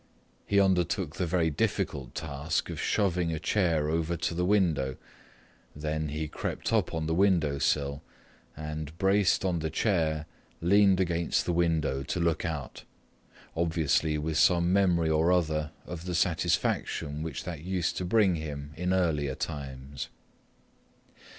He undertook the very difficult task of shoving a chair over to the window. Then he crept up on the window sill and, braced in the chair, leaned against the window to look out, obviously with some memory or other of the satisfaction which that used to bring him in earlier times.